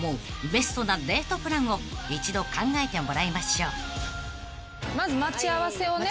ベストなデートプランを一度考えてもらいましょう］